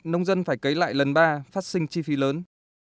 nông dân phải cấy lại lần ba phát sinh chi phí lớn